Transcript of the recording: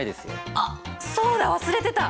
あっそうだ忘れてた！